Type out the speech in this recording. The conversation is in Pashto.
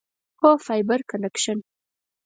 هو، فایبر کنکشن